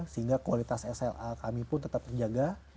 sehingga kualitas sla kami pun tetap terjaga